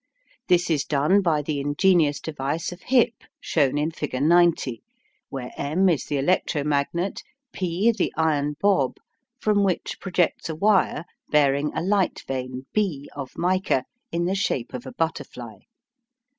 This is done by the ingenious device of Hipp, shown in figure 90, where M is the electromagnet, P the iron bob, from which projects a wire bearing a light vane B of mica in the shape of a butterfly.